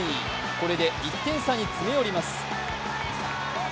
これで１点差に詰め寄ります。